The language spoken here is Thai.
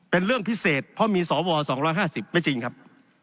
เป็นเรื่องพิเศษเพราะมีสว๒๕๐ไม่จริงครับ